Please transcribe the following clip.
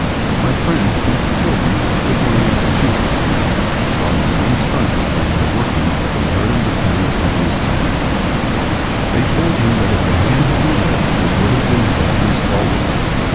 My friend Quincy Kilby, of Brookline, Mass., saw the same stunt performed by workmen at the Meridan Brittania Company's plant. They told him that if the hand had been wet it would have been badly scalded.